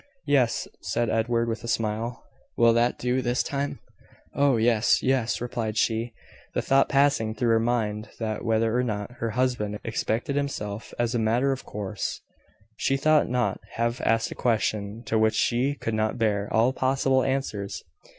"Yes," said Edward, with a smile. "Will that do this time?" "Oh, yes, yes," replied she the thought passing through her mind, that, whether or not her husband excepted himself as a matter of course, she should not have asked a question to which she could not bear all possible answers.